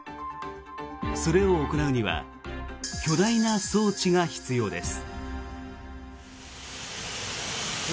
それを行うには巨大な装置が必要です。